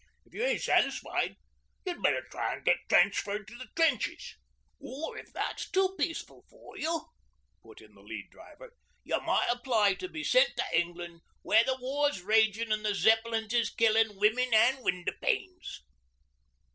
If you ain't satisfied you'd better try'n get transferred to the trenches.' 'Or if that's too peaceful for you,' put in the Lead Driver, 'you might apply to be sent to England where the war's ragin' an' the Zeppelins is killin' wimmin an' window panes.'